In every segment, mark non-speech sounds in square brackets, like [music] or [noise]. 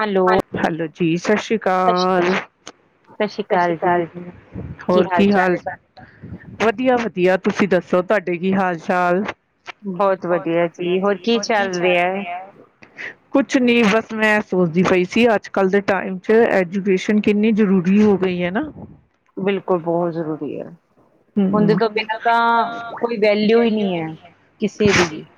Hello hello ਜੀ, ਸਤਿ ਸ੍ਰੀ ਸਤਿ ਸ਼੍ਰੀ ਅਕਾਲ। ਸਤਿ ਸ਼੍ਰੀ ਅਕਾਲ ਜੀ, ਹੋਰ ਕੀ ਹਾਲ ਚਾਲ? ਵਧੀਆ ਵਧੀਆ। ਤੁਸੀਂ ਦੱਸੋ, ਤੁਹਾਡੇ ਕੀ ਹਾਲ ਚਾਲ? ਬਹੁਤ ਵਧੀਆ ਜੀ, ਹੋਰ ਕੀ ਚੱਲ ਰਿਹਾ ਏ। ਕੁਛ ਨਹੀਂ, ਬਸ ਮੈਂ ਸੋਚਦੀ ਪਈ ਸੀ ਅੱਜ ਕੱਲ ਦੇ ਟਾਈਮ ਚ ਐਜੂਕੇਸ਼ਨ ਕਿੰਨੀ ਜ਼ਰੂ ਵੀ ਹੋ ਗਈ ਹੈ, ਨਾ। ਬਿਲਕੁਲ ਬਹੁਤ ਜ਼ਰੂਰੀ ਹੈ। ਓਂਦੇ ਹਮ ਤੋਂ ਬਿਨਾਂ ਤਾਂ ਕੋਈ ਵੈਲਊ ਹੀ ਨਹੀਂ ਹੈ ਕਿਸੇ ਦੀ ਵੀ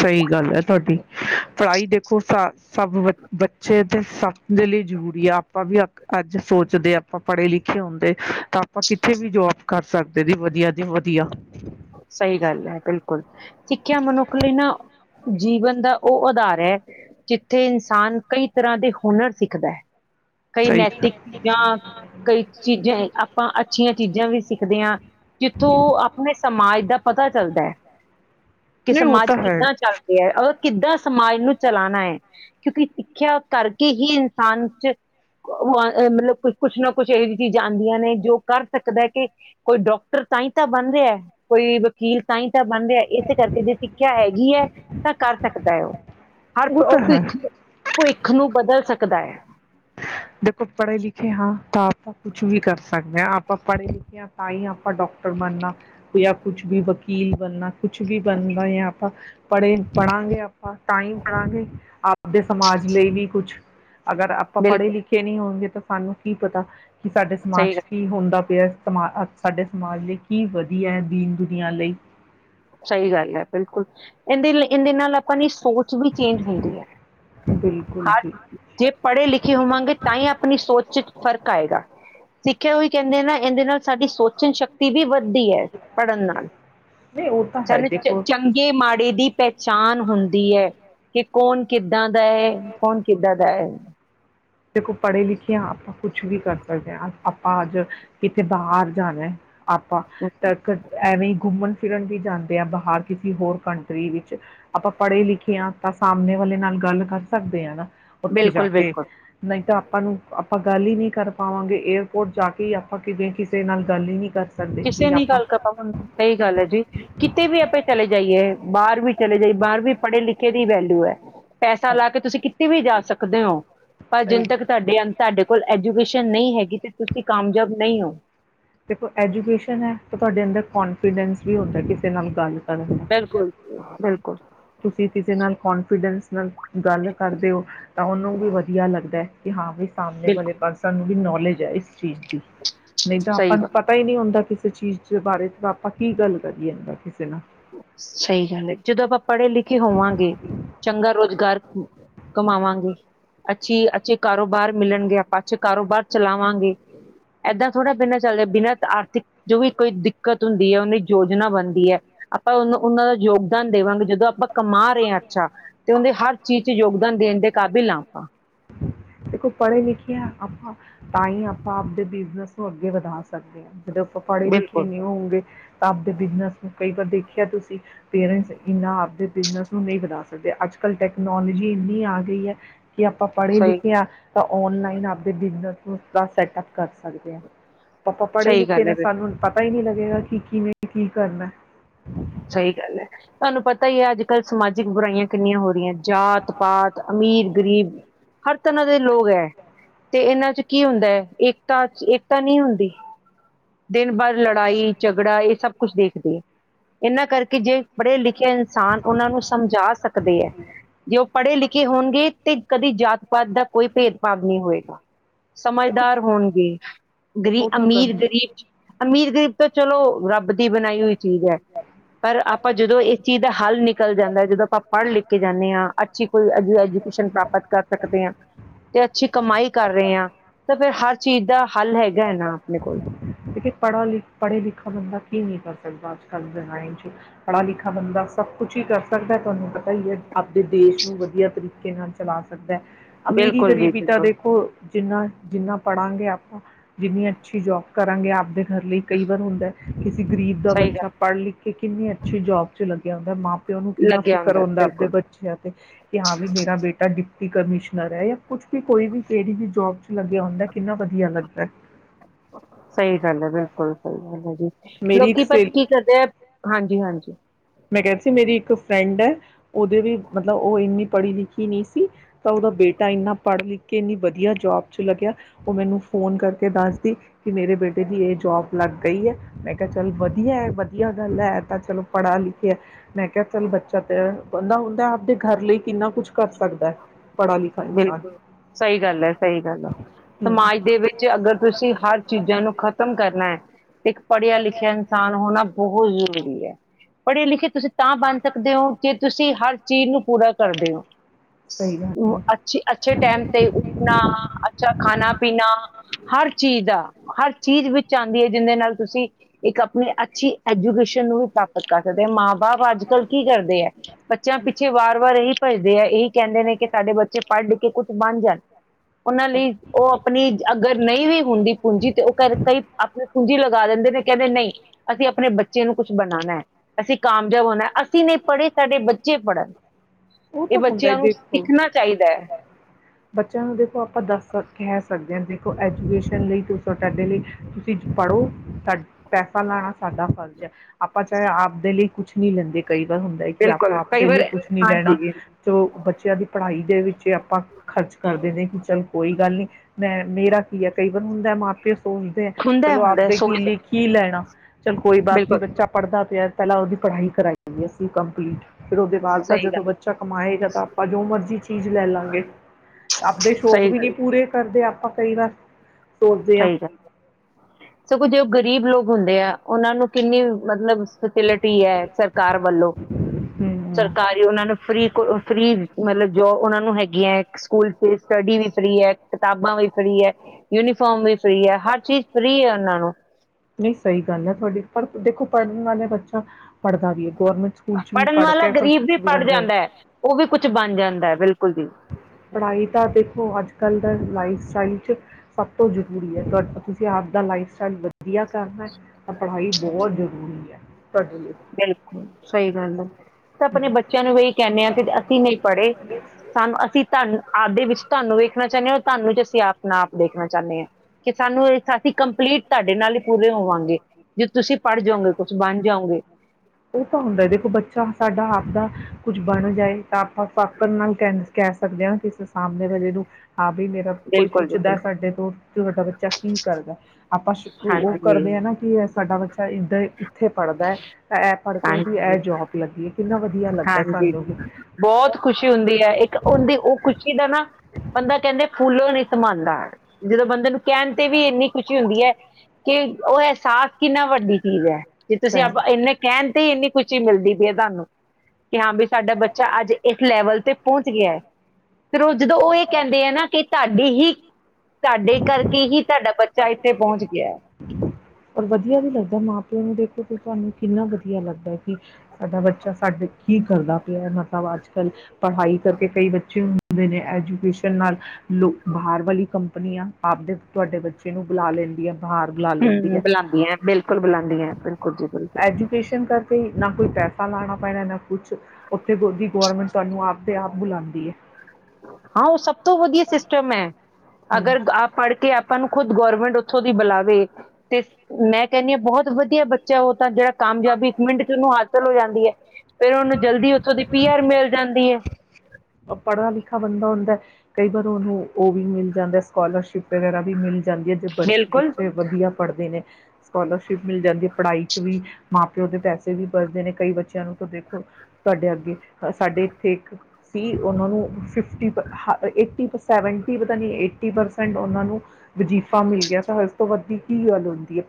ਸਹੀ ਗੱਲ ਹੈ ਤੁਹਾਡੀ ਪੜ੍ਹਾਈ ਦੇਖੋ ਸ ਸਭ ਬੱਚੇ ਤੇ, ਸਭ ਦੇ ਲਈ, ਜ਼ਰੂਰੀ ਆ। ਆਪਾਂ ਵੀ ਅ ਅੱਜ ਸੋਚ ਜਦ ਆਪਾਂ ਪੜ੍ਹੇ ਲਿਖੇ ਹੁੰਦੇ ਤਾਂ, ਆਪਾਂ ਕਿੱਥੇ ਵੀ ਜੋਬ ਕਰ ਸਕਦੇ ਜ ਵਧੀਆ ਦੀ ਵਧੀਆ। ਸਹੀ ਗੱਲ ਹੈ ਬਿਲਕੁਲ ਸਿੱਖਿਆ ਮਨੁੱਖ ਲਈ ਨਾ ਜੀਵਨ ਦਾ ਉਹ ਆਧਾਰ ਹੈ, ਜਿੱਥੇ ਇਨਸਾਨ ਕਈ ਤਰ੍ਹਾਂ ਦੇ ਹੁਨਰ ਸਿੱਖਦਾ ਹੈ। ਕਈ ਨੈਤਿਕ ਚੀਜ਼ਾਂ, ਕਈ ਚੀਜ਼ਾਂ, ਆਪਾਂ ਅੱਛੀਆਂ ਚੀਜ਼ਾਂ ਵੀ ਸਿੱਖਦੇ ਹਾਂ। ਜਿੱਥੋਂ ਆਪਣੇ ਸਮਾਜ ਦਾ ਪਤਾ ਚੱਲਦਾ ਹੈ ਕਿ ਨਹੀਂ ਉਹ ਸਮਾਜ ਤਾਂ ਹੈ ਕਿੱਦਾਂ ਚੱਲਦੇ ਹੈ, ਔਰ ਕਿੱਦਾਂ ਸਮਾਜ ਨੂੰ ਚਲਾਉਣਾ ਹੈ। ਕਿਉਂਕਿ ਸਿੱਖਿਆ ਕਰਕੇ ਹੀ ਇਨਸਾਨ ਚ ਮਤਲਬ ਕੁਛ ਨਾ ਕੁਛ ਇਹੋ ਜਿਹੀ ਚੀਜ਼ਾਂ ਆਉਂਦੀਆਂ ਨੇ ਜੋ ਕਰ ਸਕਦਾ ਹੈ, ਕਿ ਕੋਈ ਡਾਕਟਰ ਤਾਂ ਹੀ ਤਾਂ ਬਣ ਰਿਹਾ ਹੈ। ਕੋਈ ਵਕੀਲ ਤਾਂ ਹੀ ਬਣ ਰਿਹਾ ਹੈ, ਇਸੇ ਕਰਕੇ ਜੇ ਸਿੱਖਿਆ ਹੈਗੀ ਹੈ, ਤਾਂ ਕਰ ਸਕਦਾ ਹੈ। ਉਹ ਹਰ ਉਹ ਭਵਿੱਖ ਭਵਿੱਖ ਅੱਖ ਨੂੰ ਬਦਲ ਸਕਦਾ ਹੈ। ਦੇਖੋ ਪੜ੍ਹੇ ਲਿਖੇ ਹਾਂ ਤਾਂ ਆਪਾਂ ਕੁਛ ਵੀ ਕਰ ਸਕਦੇ ਹਾਂ ਆਪਾਂ ਪੜ੍ਹੇ ਲਿਖੇ ਹਾਂ ਤਾਂ ਹੀ ਆਪਾਂ ਡਾਕਟਰ ਬਣਨਾ, ਜਾਂ ਕੁਛ ਵੀ ਵਕੀਲ ਬਣਨਾ, ਕੁਛ ਵੀ ਬਣਨਾ ਜਾਂ ਆਪਾਂ ਪੜ੍ਹੇ ਪੜਾਂਗੇ ਆਪਾਂ ਤਾਂ ਹੀ ਪੜਾਂਗੇ ਆਪਦੇ ਸਮਾਜ ਲਈ ਵੀ ਕੁਛ ਅਗਰ ਆਪਾਂ ਪੜੇ ਬਿਲਕੁਲ ਲਿਖੇ ਨਹੀਂ ਹੋਣਗੇ ਤਾਂ ਸਾਨੂੰ ਕੀ ਪਤਾ। ਕਿ ਸਾਡੇ ਸਮਾਜ ਸਹੀ ਚ ਗੱਲ, ਕੀ ਹੁੰਦਾ। ਸਮਾ ਸਾਡੇ ਸਮਾਜ ਲਈ ਕੀ ਵਧੀਆ ਹੈ, ਦੀਨ ਦੁਨੀਆਂ ਲਈ ਸਹੀ ਗੱਲ ਹੈ ਬਿਲਕੁਲ, ਇਹਦੇ ਇਹਦੇ ਨਾਲ ਆਪਾਂ ਨੀ ਸੋਚ ਵੀ ਚੇਂਜ ਹੁੰਦੀ ਹੈ। ਬਿਲਕੁਲ ਹ ਜੀ ਜੇ ਪੜ੍ਹੇ ਲਿਖੇ ਹੋਵਾਂਗੇ ਤਾਂ ਹੀ ਆਪਣੀ ਸੋਚ ਚ ਫਰਕ [unintelligible] ਏਗਾ ਸਿੱਖਿਆ ਹੋ ਹੀ ਕਹਿੰਦੇ ਨਾ ਇਹਦੇ ਨਾਲ ਸਾਡੀ ਸੋਚਣ ਸ਼ਕਤੀ ਵੀ ਵਧ ਦੀ ਹੈ ਪੜ੍ਹਨ ਨਾਲ। ਨਹੀਂ ਉਹ ਤਾਂ ਹੈ ਸਾਨੂੰ ਚ ਦੇਖੋ ਚੰਗੇ ਮਾੜੇ ਦੀ ਪੈ ਚਾਨ ਹੁੰਦੀ ਹੈ। ਕਿ ਕੌਣ ਕਿੱਦਾਂ ਦਾ ਹੈ, ਕੌਣ ਕਿੱਦਾਂ ਦਾ ਹੈ। ਦੇਖੋ ਪੜ੍ਹੇ ਲਿਖੇ ਹਾਂ ਆਪਾਂ ਕੁਛ ਵੀ ਕਰ ਸਕਦੇ ਹਾਂ, ਆਪਾਂ ਅੱਜ ਕਿਤੇੇ ਬਾਹਰ ਜਾਣਾ ਐ ਆਪਾਂ ਤਾਂ ਐਵੇਂ ਈ ਘੁੰਮਣ ਫਿਰਨ ਵੀ ਜਾਂਦੇ ਆ ਬਾਹਰ ਕਿਸੇ ਹੋਰ ਕੰਟਰੀ ਵਿੱਚ, ਆਪਾਂ ਪੜ੍ਹੇ ਲਿਖੇ ਹਾਂ, ਤਾਂ ਸਾਹਮਣੇ ਵਾਲੇ ਨਾਲ ਗੱਲ ਕਰ ਸਕਦੇ ਆ ਨਾ। ਉੱਥੇ ਜਾ ਬਿਲਕੁਲ ਕੇ ਬਿਲਕੁਲ ਨਹੀਂ ਤਾਂ, ਆਪਾਂ ਨੂੰ ਆਪਾਂ ਗੱਲ ਹੀ ਨਹੀਂ ਕਰ ਪਾਵਾਂਗੇ, ਏਅਰਪੋਰਟ ਜਾ ਕੇ ਹੀ ਆਪਾਂ ਕਿ ਕਿਸੇ ਨਾਲ ਗੱਲ ਹੀ ਨਹੀਂ ਕਰ ਸਕਦੇ ਕਿਸੇ ਕਿ ਨੀ ਆਪਾਂ ਗੱਲ ਕਰਾਂ ਹੁਣ ਸਹੀ ਗੱਲ ਹੈ ਜੀ ਕਿਤੇ ਵੀ ਆਪਾਂ ਚਲੇ ਜਾਈਏ ਬਾਹਰ ਵੀ ਚਲੇ ਜਾਈ ਬਾਹਰ ਵੀ ਪੜ੍ਹੇ ਲਿਖੇ ਦੀ ਵੈਲਊ ਹੈ। ਪੈਸਾ ਲਾ ਕੇ ਤੁਸੀਂ ਕਿਤੇ ਵੀ ਜਾ ਸਕਦੇ ਹੋ। ਪਰ ਸਹੀ ਜਿੰਨ ਤੱਕ ਤੁਹਾਡੇ ਅੰ ਤੁਹਾਡੇ ਕੋਲ ਐਜੂਕੇਸ਼ਨ ਨਹੀਂ ਹੈਗੀ ਤੇ ਤੁਸੀਂ ਕਾਮਯਾਬ ਨਹੀਂ ਹੋ ਦੇਖੋ ਐਜੂਕੇਸ਼ਨ ਹੈ ਤਾਂ ਤੁਹਾਡੇ ਅੰਦਰ ਕੋਂਨਫੀਡੈਂਸ ਵੀ ਹੁੰਦਾ ਕਿਸੇ ਨਾਲ ਗੱਲ ਬਿਲਕੁਲ ਬਿਲਕੁਲ [unintelligible] ਨਾਲ ਗੱਲ ਕਰਦੇ ਹੋ। ਤਾਂ ਉਹਨੂੰ ਵੀ ਵਧੀਆ ਲੱਗਦਾ ਏ। ਤੇ ਹਾਂ ਬਈ ਸਾਹਮਣੇ ਵਾਲੇ ਬਿਲਕੁਲ ਪਰਸਨ ਨੂੰ ਵੀ ਨੌਲੇਜ ਹੈ ਇਸ ਚੀਜ਼ ਦੀ ਨਹੀਂ ਤਾ ਸਹੀ ਗੱਲ ਸਾਨੂੰ ਪਤਾ ਹੀ ਨਹੀਂ ਹੁੰਦਾ ਕਿਸੇ ਚੀਜ਼ ਦੇ ਬਾਰੇ ਆਪਾਂ ਕੀ ਗੱਲ ਕਰੀਏਦਾ ਕਿਸ ਸਹੀ ਗੱਲ ਹੈ ਜਦੋਂ ਆਪਾਂ ਪੜ੍ਹੇ ਲਿਖੇ ਲਿਖੇ ਹੋਵਾਂਗੇ ਚੰਗਾ ਰੁਜ਼ਗਾਰ ਕਮਾਵਾਂਗੇ ਅੱਛੀ ਅੱਛੇ ਕਾਰੋਬਾਰ ਮਿਲਣਗੇ ਆਪਾਂ ਅੱਛੇ ਕਾਰੋਬਾਰ ਚਲਾਵਾਂਗੇ ਏਦਾਂ ਥੋੜ੍ਹਾ ਬਿਨਾਂ ਚੱਲਦੇ ਬਿਨਾਂ ਆਰਥਿਕ ਜੋ ਵੀ ਕੋਈ ਦਿੱਕਤ ਹੁੰਦੀ ਹੈ ਉਹ ਦੀ ਯੋਜਨਾ ਬਣਦੀ ਹੈ। ਆਪਾਂ ਉਹ ਉਹਨਾਂ ਦਾ ਯੋਗਦਾਨ ਦੇਵਾਂਗੇ ਜਦੋਂ ਆਪਾਂ ਕਮਾ ਰਹੇ ਹਾਂ। ਅੱਛਾ ਤੇ ਉਹਦੇ ਹਰ ਚੀਜ਼ ਚ ਯੋਗਦਾਨ ਦੇਣ ਦੇ ਕਾਬਿਲ ਹ ਆਪਾਂ। ਦੇਖੋ ਪੜ੍ਹੇ ਲਿਖੇ ਹਾਂ ਆਪਾਂ ਤਾਂ ਹੀ ਆਪਾਂ ਆਪਦੇ ਬਿਜਨਸ ਨੂੰ ਅੱਗੇ ਵਧਾ ਸਕਦੇ ਹਾਂ ਜਦੋਂ ਆਪਾਂ ਪੜ੍ਹੇ ਲਿਖੇ ਬਿਲਕੁਲ ਨਹੀਂ ਹੋਊਗੇ ਤਾਂ ਆਪਦੇ ਬਿਜਨਸ ਨੂੰ ਕਈ ਦੇਖਿਆ ਤੁਸੀਂ ਪੇਰੈਂਟਸ ਇਨਾ ਆਪਦੇ ਬਿਜਨਸ ਨੂੰ ਨਹੀਂ ਵਧਾ ਸਕੇ ਤੇ ਅੱਜ ਕੱਲ ਟੈਕਨੋਲੋਜੀ ਇੰਨੀ ਆ ਗਈ ਹੈ ਜੇ ਆਪਾਂ ਪੜ੍ਹੇ ਸਹੀ ਲਿਖੇ ਹਾ ਤਾਂ ਆਨਲਾਈਨ ਆਪਣੇ ਬਿਸਨਸ ਨੂੰ ਸਦਾ ਸੈਟਅਪ ਕਰ ਸਕਦੇ ਹਾ ਆਪਾ ਪੜ੍ਹੇ ਸਹੀ ਲਿਖੇ ਗੱਲ ਹੈ ਨੇ ਬਿਲਕੁਲ ਸਾਨੂੰ ਪਤਾ ਹੀ ਨੀ ਲੱਗਦਾ ਕੀ ਕੀ ਨਹੀਂ ਕੀ ਕਰਨੈ ਸਹੀ ਗੱਲ ਹੈ ਤੁਹਾਨੂੰ ਪਤਾ ਹੀ ਹੈ ਅੱਜ ਕੱਲ੍ਹ ਸਮਾਜਿਕ ਬੁਰਾਈਆਂ ਕਿੰਨੀਆਂ ਹੋ ਰਹੀਆਂ ਜਾਤ ਪਾਤ ਅਮੀਰ ਗਰੀਬ - ਹਰ ਤਰ੍ਹਾਂ ਦੇ ਲੋਕ ਹੈ ਤੇ ਇਹਨਾਂ ਚ ਕੀ ਹੁੰਦਾ ਹੈ ਏਕਤਾ ਚ ਏਕਤਾ ਨਹੀਂ ਹੁੰਦੀ ਦਿਨ ਬਰ ਲੜਾਈ ਝਗੜਾ ਇਹ ਸਭ ਕੁਛ ਦੇਖਦੀ ਆ ਇਹਨਾਂ ਕਰਕੇ ਜੇ ਪੜ੍ਹੇ ਲਿਖੇ ਖੇ ਇਨਸਾਨ ਉਹਨਾਂ ਨੂੰ ਸਮਝਾ ਸਕਦੇ ਹੈ ਜੇ ਉਹ ਪੜ੍ਹੇ ਲਿਖੇ ਹੋਣਗੇ ਤੇ ਕਦੀ ਜਾਤ ਪਾਤ ਦਾ ਕੋਈ ਭੇਦਭਾਵ ਨਹੀਂ ਹੋਏਗਾ ਦੇਖੋ ਸਮਝਦਾਰ ਹੋਣਗੇ ਗਰੀ ਉਹ ਤਾਂ ਗੱਲ ਅਮੀਰ ਗਰੀਬ ਅਮੀਰ ਗਰੀਬ ਤੋਂ ਚਲੋ ਰੱਬ ਦੀ ਬਣਾਈ ਹੋਈ ਚੀਜ ਹੈ ਪਰ ਆਪਾਂ ਜਦੋਂ ਇਸ ਚੀਜ਼ ਦਾ ਹੱਲ ਨਿਕਲ ਜਾਂਦਾ ਜਦੋਂ ਆਪਾਂ ਪੜ੍ਹ ਲਿਖ ਕੇ ਜਾਂਦੇ ਹਾਂ, ਅੱਛੀ ਕੋਈ ਐਜ ਐਜੂਕੇਸ਼ਨ ਪ੍ਰਾਪਤ ਕਰ ਸਕਦੇ ਹਾਂ ਤੇ ਅੱਛੀ ਕਮਾਈ ਕਰ ਰਹੇ ਹਾਂ ਤਾਂ ਫੇਰ ਹਰ ਚੀਜ਼ ਦਾ ਹੱਲ ਹੈਗਾ ਹੈ ਨਾ ਆਪਣੇ ਕੋਲ ਕਿ ਪੜ੍ਹਾ ਲਿਖ ਪੜ੍ਹਾ ਲਿਖਾ ਬੰਦਾ ਕੀ ਨਹੀਂ ਕਰ ਸਕਦਾ ਅੱਜ ਕੱਲ੍ਹ ਪੜ੍ਹਾ ਲਿਖਾ ਬੰਦਾ ਸਭ ਕੁਛ ਹੀ ਕਰ ਸਕਦੈ ਤੁਹਾਨੂੰ ਪਤਾ ਹੀ ਹੈ ਆਪਦੇ ਦੇਸ਼ ਨੂੰ ਵਧੀਆ ਤਰੀਕੇ ਨਾਲ ਚਲਾ ਸਕਦਾ। ਅਮੀਰੀ ਬਿਲਕੁਲ ਜੀ ਗ਼ਰੀਬੀ ਤਾਂ ਬਿਲਕੁਲ ਦੇਖੋ ਜਿੰਨਾ ਜਿੰਨਾ ਪੜਾਂਗੇ ਆਪਾਂ ਜਿੰਨੀ ਅੱਛੀ ਜੌਬ ਕਰਾਂਗੇ ਆਪਦੇ ਘਰ ਲਈ ਕਈ ਵਾਰ ਹੁੰਦਾ ਕਿਸੇ ਗਰੀਬ ਦਾ ਸਹੀ ਬੱਚਾ ਗੱਲ ਪੜ੍ਹ ਲਿਖ ਕਿ ਕਿੰਨੀ ਅੱਛੀ ਜੌਬ ਚ ਲੱਗਿਆ ਹੁੰਦਾ ਮਾਂ ਪਿਓ ਨੂੰ ਕਿੰਨਾ ਲੱਗਿਆ ਫ਼ਿਕਰ ਹੁੰਦਾ ਆਪਦੇ ਬਿਲਕੁਲ ਬੱਚਿਆਂ ਤੇ ਕਿ ਹਾਂ ਵੀ ਮੇਰਾ ਬੇਟਾ ਡਿ ਕੀ ਕਮਿਸ਼ਨਰ ਹੈ ਜਾਂ ਕੁਛ ਵੀ ਕੋਈ ਵੀ ਕਿਹੜੀ ਵੀ ਜੌਬ ਚ ਲੱਗਿਆ ਹੁੰਦਾ ਕਿੰਨਾ ਵਧੀਆ ਲੱਗਦੈ। ਸਹੀ ਗੱਲ, ਬਿਲਕੁਲ ਸਹੀ ਗੱਲ ਹੈ ਜੀ। ਮੇਰੀ ਇੱਕ ਲੋਕੀ ਪਤ ਸਹੇਲੀ ਕੀ ਕਰਦੇ ਐ ਹਾਂਜੀ- ਹਾਂਜੀ, ਮੈਂ ਕਹਿ ਰਹੀ ਸੀ ਮੇਰੀ ਇੱਕ ਫਰੈਂਡ ਹੈ, ਉਹਦੇ ਵੀ ਮਤਲਬ ਉਹ ਇੰਨੀ ਪੜ੍ਹੀ ਲਿਖੀ ਨਹੀਂ ਸੀ ਤਾਂ ਉਹਦਾ ਬੇਟਾ ਇੰਨਾ ਪੜ੍ਹ ਲਿਖ ਕੇ ਇੰਨੀ ਵਧੀਆ ਜੌਬ ਚ ਲੱਗਿਆ ਉਹ ਮੈਨੂੰ ਫੋਨ ਕਰਕੇ ਦੱਸਦੀ ਕਿ ਮੇਰੇ ਬੇਟੇ ਦੀ ਇਹ ਜੌਬ ਲੱਗ ਗਈ ਹੈ, ਮੈਂ ਕਿਹਾ ਚੱਲ ਵਧੀਆ ਹੈ ਵਧੀਆ ਗੱਲ ਹੈ ਤਾਂ ਚਲੋ ਪੜ੍ਹਾ ਲਿਖ ਮੈਂ ਕਿਹਾ ਚੱਲ ਬੱਚਾ ਤੇ ਬੰਦਾ ਹੁੰਦਾ ਆਪਦੇ ਘਰ ਲਈ ਕਿੰਨਾ ਕੁਛ ਕਰ ਸਕਦਾ ਹੈ, ਪੜ੍ਹਾ ਲਿਖਾ ਇਨਸਾਨ ਬਿਲਕੁਲ ਸਹੀ ਗੱਲ ਹੈ ਸਹੀ ਗੱਲ ਹੈ, ਹਮ ਸਮਾਜ ਦੇ ਵਿੱਚ ਅਗਰ ਤੁਸੀਂ ਹਰ ਚੀਜ਼ਾਂ ਨੂੰ ਖਤਮ ਕਰਨਾ ਹੈ। ਤੇ ਇੱਕ ਪੜ੍ਹਿਆ ਲਿਖਿਆ ਇਨਸਾਨ ਹੋਣਾ ਬਹੁਤ ਜ਼ਰੂਰੀ ਹੈ, ਪੜ੍ਹੇ ਲਿਖੇ ਤੁਸੀਂ ਤਾਂ ਬਣ ਸਕਦੇ ਹੋ ਜੇ ਤੁਸੀਂ ਹਰ ਚੀਜ਼ ਨੂੰ ਪੂਰਾ ਕਰਦੇ ਹੋ। ਸਹੀ ਗੱਲ ਉ ਹੈ। ਅੱਛ-ਅੱਛੇ ਟਾਈਮ ਤੇ ਉੱਠਣਾ, ਅੱਛਾ ਖਾਣਾ- ਪੀਣਾ ਹਰ ਚੀ ਚੀਜ਼ ਦਾ ਹਰ ਚੀਜ਼ ਵਿੱਚ ਆਉਂਦੀ ਹੈ ਜਿਹਦੇ ਨਾਲ ਤੁਸੀਂ ਇੱਕ ਆਪਣੀ ਅੱਛੀ ਐਜੂਕੇਸ਼ਨ ਨੂੰ ਵੀ ਪ੍ਰਾਪਤ ਕਰ ਸਕਦੇ ਹੋ ਮਾਂ ਬਾਪ ਅੱਜ- ਕੱਲ੍ਹ ਕੀ ਕਰਦੇ ਐ, ਬੱਚਿਆਂ ਪਿੱਛੇ ਵਾਰ-ਵਾਰ ਇਹੀ ਭਜ ਦੇ ਹਾ ਈ ਕਹਿੰਦੇ ਨੇ ਕਿ ਸਾਡੇ ਬੱਚੇ ਪੜ੍ਹ ਲਿਖ ਕੇ ਕੁਛ ਬਣ ਜਾਣ। ਉਹਨਾਂ ਲਈ, ਉਹ ਆਪਣੀ ਅਗਰ ਨਹੀਂ ਵੀ ਹੁੰਦੀ ਪੂੰਜੀ ਤੇ ਉਹ ਕਰ ਕਈ ਆਪਣੀ ਪੂੰਜੀ ਲਗਾ ਦਿੰਦੇ ਨੇ ਕਹਿੰਦੇ ਨਹੀਂ, ਅਸੀਂ ਆਪਣੇ ਬੱਚੇ ਨੂੰ ਕੁਛ ਬਣਾਉਣਾ ਹੈ ਅਸੀਂ ਕਾਮਯਾਬ ਹੋਣਾ ਅਸੀਂ ਨਹੀਂ ਪੜ੍ਹੇ ਸਾਡੇ ਬੱਚੇ ਪੜ੍ਹਨ ਉਹ ਇਹ ਤਾਂ ਹੁੰਦਾ ਏ ਬੱਚਿਆਂ ਨੂੰ ਦੇਖੋ, ਸਿੱਖਣਾ ਚਾਹੀਦਾ ਹੈ ਬੱਚਿਆਂ ਨੂੰ ਦੇਖੋ ਆਪਾਂ ਦੱਸ ਸਕਦੇ ਕਹਿ ਸਕਦੇ ਯਰ ਦੇਖੋ ਐਜੂਕੇਸ਼ਨ ਲਈ ਤੁ ਤੁਹਾਡੇ ਲਈ ਤੁਸੀਂ ਪੜ੍ਹੋ ਤ ਪੈਸਾ ਲਾਉਣਾ ਸਾਡਾ ਫਰਜ਼ ਹੈ। ਆਪਾਂ ਚਾਹੇ ਆਪਦੇ ਲਈ ਕੁਛ ਨਹੀਂ ਲੈਂਦੇ ਕਈ ਵਾਰ ਹੁੰਦਾ ਹੈ ਕਿ ਆਪਾਂ ਬਿਲਕੁਲ ਕਈ ਆਪਦੇ ਵਾਰ ਲਈ ਕੁਛ ਨੀ ਲੈਣਾ ਹਾਂਜੀ ਜੋ ਬੱਚਿਆਂ ਦੀ ਪੜ੍ਹਾਈ ਦੇ ਵਿੱਚ ਆਪਾਂ ਖਰਚ ਕਰਦੇ ਨੇ ਕਿ ਚੱਲ ਕੋਈ ਗੱਲ ਨਹੀਂ ਮੈਂ ਮੇਰਾ ਕੀ ਹੈ ਕਈ ਹੁੰਦਾ ਮਾਂ ਪਿਓ ਸੋਚਦੇ ਹ ਹੁੰਦਾ ਹੈ, ਚਲੋ ਹੁੰਦਾ ਹੈ, ਆਪਦੇ ਕਿ ਸੋਚਦੇ ਲਈ ਕੀ ਲੈਣਾ ਚਲ ਕੋਈ ਬਾਤ ਨੀ ਬਿਲਕੁਲ ਬੱਚਾ ਪੜ੍ਹਦਾ ਪਹਿਲਾਂ ਉਹਦੀ ਪੜ੍ਹਾਈ ਕਰਾਈਏ ਅਸੀਂ ਕੰਪਲੀਟ ਫੇਰ ਉਹਦੇ ਬਾਦ ਤਾਂ ਸਹੀ ਜਦੋਂ ਗੱਲ ਬੱਚ ਕਮਾਏਗਾ ਤਾਂ ਆਪਾਂ ਜੋ ਮਰਜੀ ਚੀਜ਼ ਲੈ ਲਾਂਗੇ ਆਪਦੇ ਸ਼ੌਕ ਸਹੀ ਵੀ ਨੀ ਗੱਲ ਪੂਰੇ ਕਰਦੇ ਆਪਾਂ ਕਈ ਵਾਰ ਸੋਚਦੇ ਹਾਂ ਸਹੀ ਗੱਲ ਹੈ, ਸਗੋਂ ਜ ਗ਼ਰੀਬ ਲੋਕ ਹੁੰਦੇ ਆ ਉਹਨਾਂ ਨੂੰ ਕਿੰਨੀ ਮਤਲਬ ਫੈਸਿਲਿਟੀ ਹੈ ਸਰਕਾਰ ਵੱਲੋਂ ਹਮ ਸਰਕਾਰੀ ਉਹਨਾਂ ਨੂੰ ਫਰੀ ਕੋ ਫਰੀ ਮਤਲਬ ਜੋ ਉਹਨਾਂ ਨੂੰ ਹੈਗੀਆਂ ਸਕੂਲ ਚ ਸਟੱਡੀ ਵੀ ਫ੍ਰੀ ਹੈ ਕਿਤਾਬਾਂ ਵੀ ਫ੍ਰੀ ਹੈ ਯੂਨੀਫਾਰਮ ਵੀ ਫ੍ਰੀ ਹੈ ਹਰ ਚੀਜ਼ ਫ੍ਰੀ ਹੈ ਉਹਨਾਂ ਨੂੰ ਨਹੀਂ ਸਹੀ ਗੱਲ ਹੈ ਤੁਹਾਡੀ ਪਰ ਦੇਖੋ ਪੜ੍ਹਨ ਵਾਲੇ ਬੱਚਾ ਪੜ੍ਹਦਾ ਵੀ ਹੈ ਗੌਰਮੈਂਟ ਸਕੂਲ 'ਚ ਵੀ ਪੜ੍ਹਨ ਪੜ੍ਹ ਵਾਲਾ ਕੇ ਕੋਈ ਗ਼ਰੀਬ ਵੀ ਕੁਛ ਪੜ੍ਹ ਬਣ ਜਾਂਦਾ ਹੈ ਉਹ ਵੀ ਕੁਛ ਬਣ ਜਾਂਦਾ ਬਿਲਕੁਲ ਜੀ ਪੜ੍ਹਾਈ ਤਾਂ ਦੇਖੋ ਅੱਜ ਅੱਜ ਕੱਲ ਦਾ ਲਾਈਫ ਸਟਾਈਲ ਚ ਸਭ ਤੋਂ ਜ਼ਰੂਰੀ ਹੈ ਤੁ ਤੁਸੀਂ ਆਪਦਾ ਲਾਈਫ ਸਟਾਈਲ ਵਧੀਆ ਕਰਨਾ ਹੈ ਤਾਂ ਪੜ੍ਹਾਈ ਬਹੁਤ ਜ਼ਰੂਰੀ ਹੈ ਤੁਹਾਡੇ ਲਈ ਬਿਲਕੁਲ ਸਹੀ ਗੱਲ ਹੈ ਅਸੀਂ ਤਾਂ ਆਪਣੇ ਬੱਚਿਆਂ ਨੂੰ ਇਹੀ ਕਹਿੰਦੇ ਹਾਂ ਕਿ ਅਸੀਂ ਨਹੀਂ ਪੜ੍ਹੇ ਸਾਨੂੰ ਅਸੀਂ ਧਨ ਆਦਿ ਵਿੱਚ ਤੁਹਾਨੂੰ ਵੇਖਣਾ ਚਾਹੁੰਦੇ ਹਾਂ ਔਰ ਤੁਹਾਨੂੰ ਚ ਅਸੀਂ ਆਪਣਾ ਆਪ ਦੇਖਣਾ ਚਾਹੁੰਦੇ ਹਾਂ ਕਿ ਸਾਨੂੰ ਅਸੀਂ ਕੰਪਲੀਟ ਤੁਹਾਡੇ ਨਾਲ ਹੀ ਪੂਰੇ ਹੋਵਾਂਗੇ ਜ ਤੁਸੀਂ ਪੜ੍ਹ ਜਾਓਗੇ ਕੁਛ ਬਣ ਜਾਓਗੇ ਉਹ ਤਾਂ ਹੁੰਦਾ ਦੇਖੋ ਬੱਚਾ ਸਾਡਾ ਆਪਦਾ ਕੁਝ ਬਣ ਜਾਏ ਆਪਾਂ ਫਕਰ ਨਾਲ ਕਹਿੰਦੇ ਕਹਿ ਸਕਦੇ ਹਾਂ ਕਿਸੇ ਸਾਹਮਣੇ ਵਾਲੇ ਨੂੰ ਹਾਂ ਬਈ ਮੇਰਾ ਕੋਈ ਬਿਲਕੁਲ ਜੀ ਪੁੱਛਦਾ ਹੈ ਬਿਲਕੁਲ ਸਾਡੇ ਤੋਂ ਤੁਹਾਡਾ ਬੱਚਾ ਚੈੱਕਿੰਗ ਕਰਦਾ ਆਪਾਂ ਉਹ ਹਾਂਜੀ ਕਰਦੇ ਹ ਨਾ ਕਿ ਸਾਡਾ ਬੱਚਾ ਇਦਾਂ ਇੱਥੇ ਪੜ੍ਹਦਾ ਹੈ ਤਾਂ ਇਹ ਪੜ੍ਹ ਕੇ ਵੀ ਹਾਂਜੀ ਇਹ ਜੋਬ ਲੱਗੀ ਕਿੰਨਾ ਵਧੀਆ ਲੱਗਦਾ ਹਾਂਜੀ, ਸਾਨੂੰ ਵੀ ਬਹੁਤ ਖੁਸ਼ੀ ਹੁੰਦੀ ਐ ਇੱਕ ਔਂਦੀ ਉਹ ਖੁਸ਼ੀ ਦਾ ਨਾਂ ਬੰਦਾ ਕਹਿੰਦੇ ਫੁੱਲੋਂ ਨਈਂ ਸਮਾਂਦਾ। ਜਦੋਂ ਬੰਦੇ ਨੂੰ ਕਹਿਣ ਤੇ ਵੀ ਇੰਨੀ ਖੁਸ਼ੀ ਹੁੰਦੀ ਐ ਕਿ ਉਹ ਅਹਿਸਾਸ ਕਿੰਨਾ ਵੱਡੀ ਚੀਜ਼ ਐ। ਜੇ ਤੁਸੀਂ ਸਹੀ ਆਪਾਂ ਇੰਨੇ ਕਹਿਣ ਤੇ ਇੰਨੀਂ ਖੁਸ਼ੀ ਮਿਲਦੀ ਪਈ ਐ ਤਾਨੂੰ ਕਿ ਹਾਂ ਵੀ ਸਾਡਾ ਬੱਚਾ ਅੱਜ ਇਸ ਲੈਵਲ ਤੇ ਪਹੁੰਚ ਗਿਆ ਐ। ਫਿਰ ਉਹ ਜਦੋਂ ਉਹ ਇਹ ਕਹਿੰਦੇ ਆ ਨਾ ਕਿ ਤੁਹਾਡੀ ਹੀ ਤੁਹਾਡੇ ਕਰਕੇ ਹੀ ਤੁਹਾਡਾ ਬੱ ਬੱਚਾ ਇੱਥੇ ਪਹੁੰਚ ਗਿਆ ਐ। ਔਰ ਵਧੀਆ ਵੀ ਲੱਗਦਾ ਮਾਂ ਪਿਓ ਨੂ ਦੇਖੋ ਕਿ ਤੁਹਾਨੂੰ ਕਿੰਨਾ ਵਧੀਆ ਲੱਗਦਾ ਕਿ ਸਾਡਾ ਬੱਚਾ ਸਾਡੇ ਕੀ ਕਰਦਾ ਪਿਆ ਮਤਲਬ ਅੱਜ ਪੜ੍ਹਾਈ ਕਰਕੇ ਕਈ ਬੱਚੇ ਹੁਣ ਹੁੰਦੇ ਨੇ ਐਜੂਕੇਸ਼ਨ ਨਾਲ ਲੋ ਬਾਹਰ ਵਾਲੀ ਕੰਪਨੀ ਆਪਣੀਆਂ ਆਪਦੇ ਤੁਹਾਡੇ ਬੱਚੇ ਕਿਨੂੰ ਬੁਲਾ ਲੈਂਦੀਆਂ ਹਮ, ਬੁਲਾਉਂਦੀਆਂ ਬਿਲਕੁਲ ਬੁਲਾਉਂਦੀਆਂ ਬਿਲਕੁਲ ਜੀ ਬਿਲਕੁਲ। ਐਜੂਕੇਸ਼ਨ ਕਰਕੇ ਨਾ ਕੋਈ ਪੈਸਾ ਲਾਣਾ ਪੈਣਾ ਨਾ ਕੁਛ, ਉੱਥੇ ਦੀ ਉਦੀ ਗੌਰਮੈਂਟ ਸਾਨੂੰ ਆਪਦੇ ਆਪ ਬੁਲਾਉਂਦੀ ਐ। ਹਾਂ ਉਹ ਸਭ ਤੋਂ ਵਧੀਆ ਸਿਸਟਮ ਐ। ਅਗਰ ਹਮ ਆਪ ਪੜ੍ਹ ਕੇ ਆਪਾਂ ਨੂੰ ਖੁਦ ਗੌਰਮੈਂਟ ਉੱਥੋਂ ਦੀ ਬੁਲਾਵੇ ਤੇ ਸ ਮੈਂ ਕਹਿੰਣੀ ਆਂ ਬਹੁਤ ਵਧੀਆ ਬੱਚਾ ਉਹ ਤਾਂ ਜਿਹੜਾ ਕਾਮਯਾਬੀ ਇੱਕ ਮਿੰਟ ਚ ਉਹਨੂੰ ਹਾਸਲ ਹੋ ਜਾਂਦੀ ਐ। ਫਿਰ ਉਹਨੂੰ ਜਲਦੀ ਉੱਥੋਂ ਦੀ ਪੀ ਆਰ ਮਿਲ ਜਾਂਦੀ ਐ। ਪੜ੍ਹਿਆ ਲਿਖਾ ਬੰਦਾ ਹੁੰਦਾ ਕਈ ਵਾਰ ਉਹਨੂੰ ਉਹ ਵੀ ਮਿਲ ਜਾਂਦਾ ਸਕੋਲਰਸ਼ਿਪ ਵਗੈਰਾ ਵੀ ਮਿਲ ਜਾਂਦੀ ਐ ਜਿਦਨ ਬ ਬਿਲਕੁਲ ਬੱਚੇ ਵਧੀਆ ਪੜ੍ਹਦੇ ਨੇ ਸਕੋਲਰਸ਼ਿਪ ਮਿਲ ਜਾਂਦੀ ਐ, ਪੜ੍ਹਾਈ ਚ ਵੀ ਮਾਂ ਪਿਓ ਦੇ ਪੈਸੇ ਵੀ ਬਚਦੇ ਨੇ ਕਈ ਬੱਚਿਆਂ ਨੂੰ ਤਾਂ ਦੇਖੋ ਤੁਹਾਡੇ ਅੱਗੇ ਸਾਡੇ ਇੱਥੇ ਇੱਕ ਕੀ ਉਹਨਾਂ ਨੂੰ ਫਿਫਟੀ ਹ ਏ ਏਟੀ ਸੈਵਨਟੀ ਪਤਾ ਨਹੀਂ ਏਟੀ ਪਰਸੈਂਟ ਉਹਨਾਂ ਨੂੰ ਵਜ਼ੀਫਾ ਮਿਲ ਗਿਆ ਤਾਂ ਇਸ ਤੋਂ ਵੱਧਦੀ ਕੀ ਗੱਲ ਹੁੰਦੀ ਐ।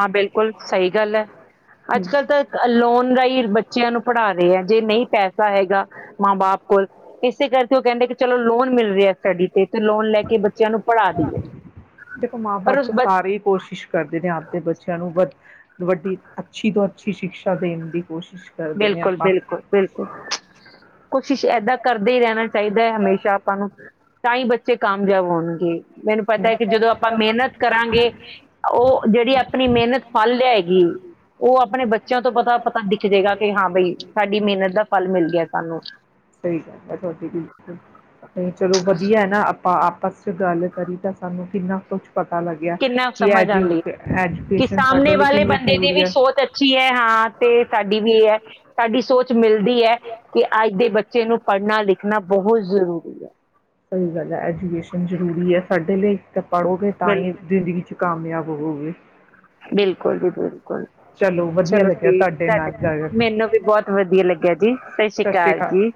ਹਾਂ, ਬਿਲਕੁਲ ਸਹੀ ਗੱਲ ਐ, ਅੱਜ-ਕੱਲ੍ਹ ਤਾਂ ਅ ਲੋਨ ਰਾਹੀਂ ਬ ਬੱਚਿਆਂ ਨੂੰ ਪੜ੍ਹਾ ਰਹੇ ਆ, ਜੇ ਨਹੀਂ ਪੈਸਾ ਹੈਗਾ ਮਾਂ ਬਾਪ ਕੋਲ ਇਸੇ ਕਰਕੇ ਉਹ ਕਹਿੰਦੇ ਕਿ ਚਲੋ ਲੋਨ ਮਿਲ ਰਿਹਾ ਸਟੱਡੀ ਤੇ ਤੇ ਲੋਨ ਲੈ ਕੇ ਬੱਚਿਆਂ ਨੂੰ ਪੜ੍ਹਾ ਦੀਏ ਦੇਖੋ ਪਰ ਮਾਂ-ਬਾਪ ਉਸ ਬ [unintelligible] ਚਲੋ ਵਧ ਵੱਡੀ ਅੱਛੀ ਤੋਂ ਅੱਛੀ ਸ਼ਿਕਸ਼ਾ ਦੇਣ ਦੀ ਕੋਸ਼ਿਸ਼ ਕਰਦੇ ਨੇ ਬਿਲਕੁਲ, ਆਪਾਂ। ਬਿਲਕੁਲ, ਬਿਲਕੁਲ ਕੋਸ਼ਿਸ਼ ਏਦਾਂ ਕਰਦੇ ਹੀ ਰਹਿਣਾ ਚਾਹੀਦਾ ਹੈ। ਹਮੇਸ਼ਾ ਆਪਾਂ ਨੂੰ ਤਾਂ ਹੀ ਬੱਚੇ ਕਾਮਯਾਬ ਹੋਣਗੇ। ਮੈਨੂੰ ਪਤਾ ਹੈ ਕਿ ਜਦੋਂ ਆਪਾਂ ਮਿਹਨਤ ਕਰਾਂਗੇ ਉਹ ਜਿਹੜੀ ਆਪਣੀ ਮਿਹਨਤ ਫਲ ਲਿਆਏਗੀ ਉਹ ਆਪਣੇ ਬੱਚਿਆਂ ਤੋਂ ਪਤਾ ਪਤਾ ਦਿਖ ਜਾਵੇਗਾ। ਹਾਂ ਬਾਈ ਸਾਡੀ ਮਿਹਨਤ ਦਾ ਫਲ ਮਿਲ ਗਿਆ ਸਾਨੂੰ ਸਹੀ ਗੱਲ ਹੈ ਤੁਹਾਡੀ ਬਿਲਕੁਲ। ਨਹੀਂ ਚਲੋ ਵਧੀਆ ਹੈ ਨਾ ਆਪਾਂ ਆਪਸ ਚਚ ਗੱਲ ਕਰੀ ਜਾਂ ਸਾਨੂੰ ਕਿੰਨਾ ਕੁਛ ਪਤਾ ਲੱਗਿਆ। ਕਿੰਨਾ ਕਿ ਸਮਝ ਐਜੂ ਆਉਂਦੀ ਕਿ ਐਜੂਕੇਸ਼ਨ ਸਾਹਮਣੇ ਸਾਡੇ ਲਈ ਵਾਲੇ ਕਿੰਨੀ ਬੰਦੇ ਦੀ ਜ਼ਰੂਰੀ ਵੀ ਹੈ। ਸੋਚ ਅੱਛੀ ਹੈ। ਹਾਂ ਤੇ ਸਾਡੀ ਵੀ ਇਹ ਹੈ। ਤੁਹਾਡੀ ਸੋਚ ਮਿਲ ਦੀ ਹੈ। ਕਿ ਅੱਜ ਦੇ ਬੱ ਚੇ ਨੂੰ ਪੜ੍ਹਨਾ ਲਿਖਣਾ ਬਹੁਤ ਜ਼ਰੂਰੀ ਹੈ। ਸਹੀ ਗੱਲ ਹੈ ਐਜੂਕੇਸ਼ਨ ਜ਼ਰੂਰੀ ਹੈ ਸਾਡੇ ਲਈ। ਤਾਂ ਪੜ੍ਹੋਗੇ ਤਾਂ ਬਿਲ ਹੀ ਜ਼ਿੰਦਗੀ ਚ ਕਾਮਯਾਬ ਹੋਊਗੇ। ਬਿਲਕੁਲ ਜੀ ਬਿਲਕੁਲ ਵਧੀਆ ਚਲੋ ਲੱਗਿਆ ਠੀਕ ਤੁਹਾਡੇ ਨਾਲ ਤੁਡੇ ਗੱਲ ਮੈਨੂੰ ਵੀ ਬਹੁਤ ਵਧੀਆ ਲੱਗਿਆ ਜੀ। ਸਤਿ ਸ੍ਰੀ ਅਕਾਲ ਜੀ।